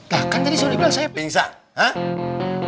lah kan tadi sudah dibilang saya pingsan